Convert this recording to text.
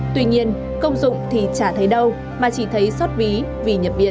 tuy nhiên công dụng thì chả thấy đâu mà chỉ thấy xót ví vì nhập viện